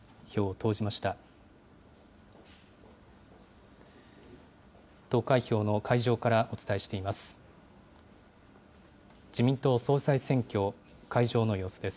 投開票の会場からお伝えしています。